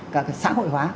cả cái xã hội hóa